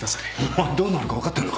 お前どうなるか分かってんのか？